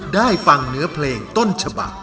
ได้ฟังเนื้อเพลงต้นฉบัก